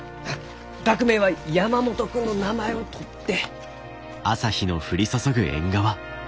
学名は山元君の名前をとって。